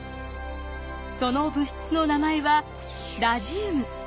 その物質の名前はラジウム。